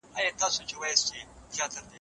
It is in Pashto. تاسې به بريالي ياست.